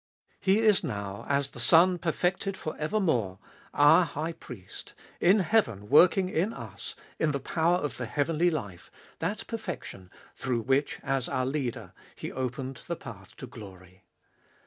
He is now, as the Son perfected for ever more, our High Priest, in heaven working in us, in the power of the heavenly life, that perfection, through which as our Leader He opened the path to glory.